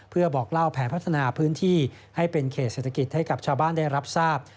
เพื่อบอกเล่าแผนพัฒนาพื้นที่ให้เป็นเขตเศรษฐกิจให้กับชาวบ้านได้รับทราบ